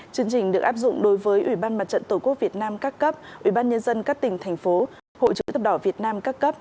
chương trình được áp dụng đối với ủy ban mặt trận tổ quốc việt nam các cấp ủy ban nhân dân các tỉnh thành phố hội chữ thập đỏ việt nam các cấp